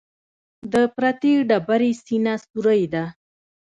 د پرتې ډبرې سینه سورۍ ده.